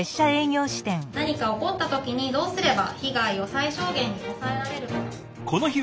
何か起こった時にどうすれば被害を最小限に抑えられるか。